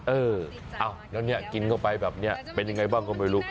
เออแล้วเนี่ยกินเข้าไปแบบนี้เป็นยังไงบ้างก็ไม่รู้